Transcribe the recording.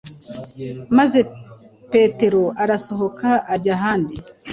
Maze Petero arasohoka ajya ahandi.